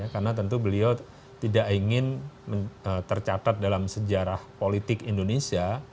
karena tentu beliau tidak ingin tercatat dalam sejarah politik indonesia